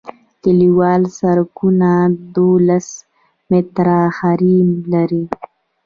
کلیوال سرکونه دولس متره حریم لري